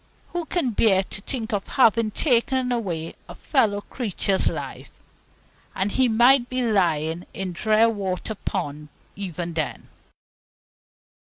Who can bear to think of having taken away a fellow creature's life? And he might be lying in Drearwater Pond even then!